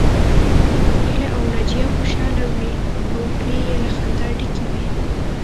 هيله او ناجيه خوشحاله وې او خولې يې له خندا ډکې وې